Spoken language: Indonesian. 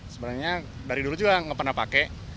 sebenarnya dari dulu juga nggak pernah pakai